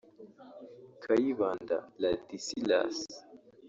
Kayibanda Ladisilas